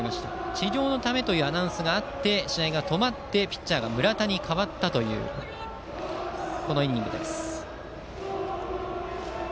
治療のためというアナウンスがあり試合が止まりピッチャーが村田に代わったこのイニングです。